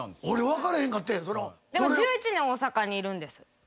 でも１１年大阪にいるんです。